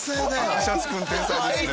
赤シャツくん天才ですね。